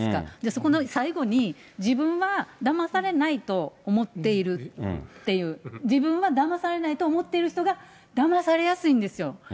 そこの最後に、自分はだまされないと思っているっていう、自分はだまされないと思ってる人が、だまされやすいんですよ。